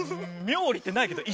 冥利ってないけど。